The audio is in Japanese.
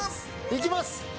いきます！